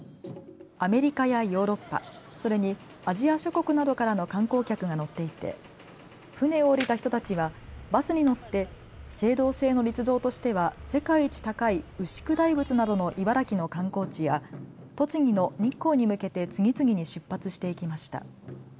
アメリカやヨーロッパ、それにアジア諸国などからの観光客が乗っていて船を降りた人たちはバスに乗って青銅製の立像としては世界一高い牛久大仏などの茨城の観光地や栃木の日光に向けて次々に出発していきました。